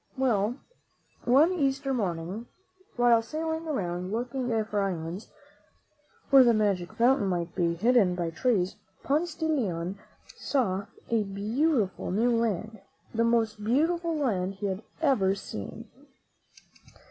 Well, one Easter morning, while sailing around looking for islands, where the magic fountain might be hidden by trees. Ponce de Leon saw a beautiful new land, the most beautiful land he had ever seen.